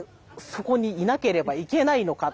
そこにいなければいけないのか？